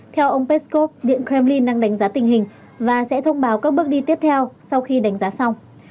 theo ông peskov điện kremlin đang đánh giá tình hình và sẽ thông báo các bước đi tiếp theo sau khi đánh giá xong